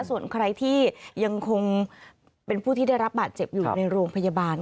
ส่วนใครที่ยังคงเป็นผู้ที่ได้รับบาดเจ็บอยู่ในโรงพยาบาล